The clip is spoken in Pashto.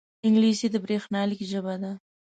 انګلیسي د بریښنالیک ژبه ده